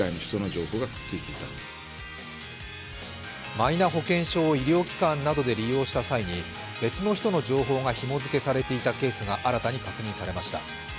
マイナ保険証を医療機関などで利用した際に別の人の情報がひも付けされていたケースが、新たに確認されました。